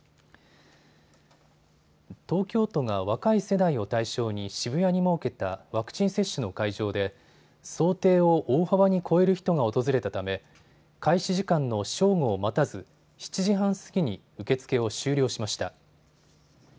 東京都が若い世代を対象に渋谷に設けたワクチン接種の会場で想定を大幅に超える人が訪れたため開始時間の正午を待たず７時半過ぎに受け付けを終了しました。